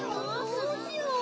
どうしよう。